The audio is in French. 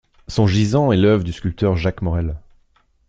Son gisant est l'œuvre du sculpteur Jacques Morel.